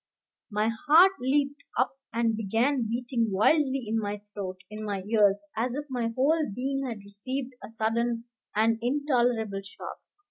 My heart leaped up and began beating wildly in my throat, in my ears, as if my whole being had received a sudden and intolerable shock.